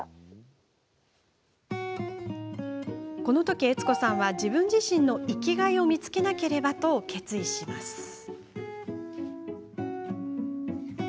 このとき、悦子さんは自分自身の生きがいを見つけなければと決意します。